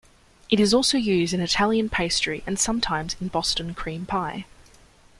It is also used in Italian pastry and sometimes in Boston cream pie.